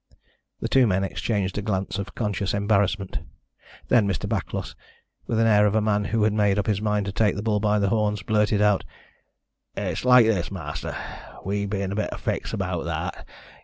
The two men exchanged a glance of conscious embarrassment. Then Mr. Backlos, with the air of a man who had made up his mind to take the bull by the horns, blurted out: "It's like this, ma'aster. We be in a bit o' a fix about that.